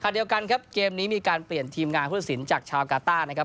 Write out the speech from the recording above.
เดียวกันครับเกมนี้มีการเปลี่ยนทีมงานผู้ตัดสินจากชาวกาต้านะครับ